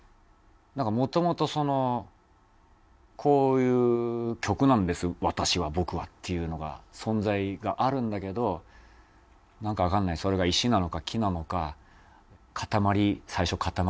「もともとこういう曲なんです私は僕は」っていうのが存在があるんだけどなんかわかんないそれが石なのか木なのか塊最初塊で。